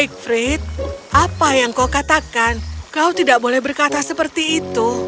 baik frit apa yang kau katakan kau tidak boleh berkata seperti itu